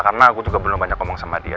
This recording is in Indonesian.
karena gue juga belum banyak ngomong sama dia